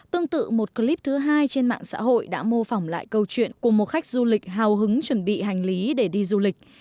tương tự một clip thứ hai trên mạng xã hội đã mô phỏng lại câu chuyện của một khách du lịch hào hứng chuẩn bị hành lý để đi du lịch